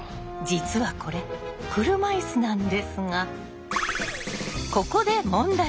実はこれ車いすなんですがここで問題。